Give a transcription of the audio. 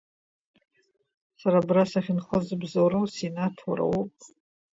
Сара абра сахьынхо зыбзоуроу, Синаҭ, уара уоуп.